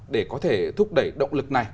để có thể thúc đẩy động lực này